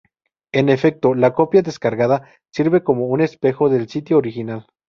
En efecto, la copia descargada sirve como un espejo del sitio original.